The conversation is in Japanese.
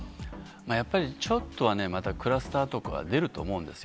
やっぱりちょっとはね、またクラスターとかは出ると思うんですよ。